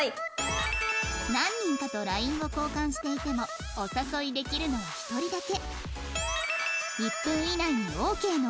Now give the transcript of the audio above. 何人かと ＬＩＮＥ を交換していてもお誘いできるのは１人だけ